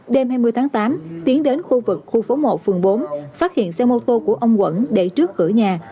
đêm hai mươi tháng tám tiến đến khu vực khu phố một phường bốn phát hiện xe mô tô của ông quẩn để trước cửa nhà